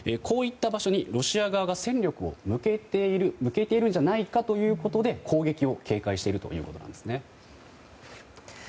こういった場所にロシア側が戦力を向けているんじゃないかということで攻撃を警戒しているということです。